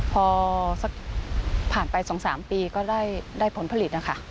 พอผ่านไปสองสามปีก็ได้ผลผลิต